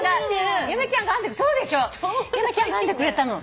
由美ちゃんが編んでくれたの。